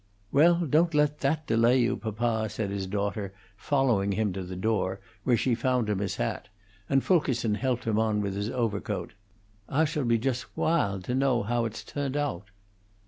"Well, don't let that delay you, papa," said his daughter, following him to the door, where she found him his hat, and Fulkerson helped him on with his overcoat. "Ah shall be jost wald to know ho' it's toned oat."